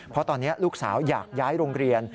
เพราะตอนนี้ลูกสาวอยากย้ายโรงเรียน